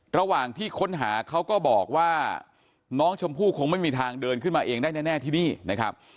ระหว่างที่ค้นหาเขาก็บอกว่าน้องชมพู่คงไม่มีทางเดินขึ้นมาเองได้แน่ที่นี่นะครับ